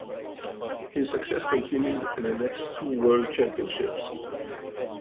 His success continued at the next two World Championships.